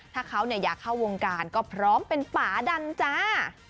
ถ้าเขาอยากเข้าวงการก็พร้อมเป็นป่าดังจ้า